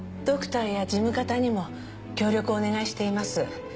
ドクターや事務方にも協力をお願いしています。